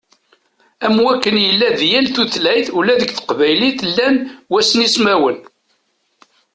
Am wakken yella di yal tutlayt, ula deg teqbaylit llan waynismawen.